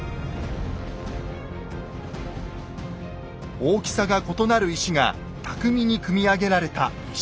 大きさが異なる石が巧みに組み上げられた石垣。